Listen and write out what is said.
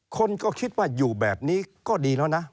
คนก็คิดว่าอยู่แบบนี้ก็ดีแล้วนะ